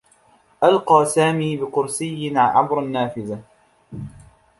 ألقى سامي بكرسيّ عبر النّافذة.